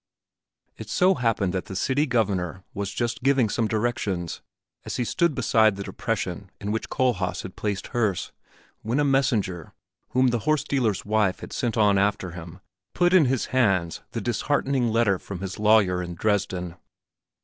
It so happened that the City Governor was just giving some directions, as he stood beside the depression in which Kohlhaas had placed Herse, when a messenger, whom the horse dealer's wife had sent on after him, put in his hands the disheartening letter from his lawyer in Dresden.